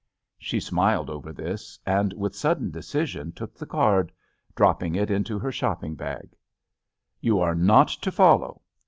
She smiled over this and with sudden decision took the card, dropping it into her shopping bag. "You are not to follow.